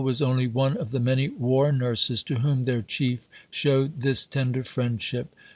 Sister Philippa was only one of the many war nurses to whom their Chief showed this tender friendship.